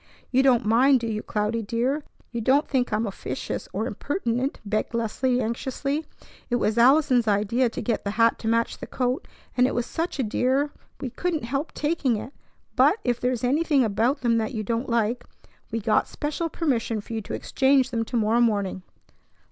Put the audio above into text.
"You don't mind, do you, Cloudy, dear? You don't think I'm officious or impertinent?" begged Leslie anxiously. "It was Allison's idea to get the hat to match the coat, and it was such a dear we couldn't help taking it; but, if there is anything about them you don't like, we got special permission for you to exchange them to morrow morning."